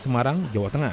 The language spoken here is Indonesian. barang jawa tengah